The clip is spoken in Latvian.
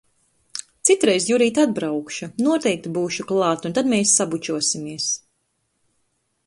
Citreiz, Jurīt, atbraukšu, noteikti būšu klāt un tad mēs sabučosimies.